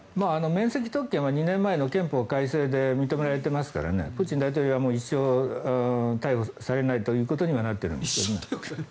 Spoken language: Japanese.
免責特権は２年前の憲法改正で認められていますからプーチン大統領は一生逮捕されないということにはなってるんですね。